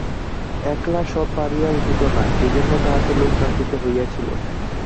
একলা সব পারিয়া উঠিত না, সেজন্য তাহাকে লোক রাখিতে হইয়াছিল।